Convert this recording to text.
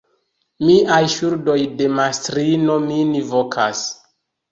Miaj ŝuldoj de mastrino min vokas.